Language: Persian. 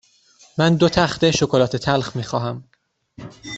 من دو تخته شکلات تلخ می خواهم.